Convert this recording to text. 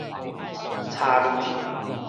柴雷